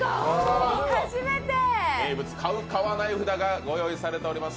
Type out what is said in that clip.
名物、買う、買わない札がご用意されています。